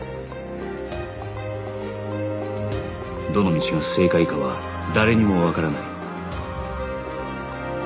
どの道が正解かは誰にもわからない